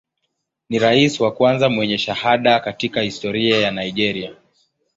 Ni rais wa kwanza mwenye shahada katika historia ya Nigeria.